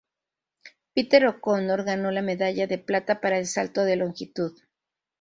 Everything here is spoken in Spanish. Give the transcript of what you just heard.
Peter O'Connor ganó la medalla de plata para el salto de longitud.